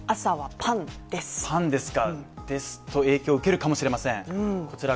パンですかうんですと影響を受けるかもしれません。